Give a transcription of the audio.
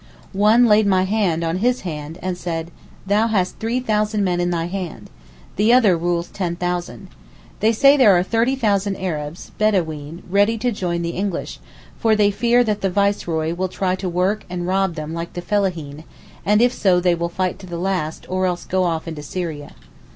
One laid my hand on his hand and said 'Thou hast 3,000 men in thy hand.' The other rules 10,000. They say there are 30,000 Arabs (bedaween) ready to join the English, for they fear that the Viceroy will try to work and rob them like the fellaheen, and if so they will fight to the last, or else go off into Syria.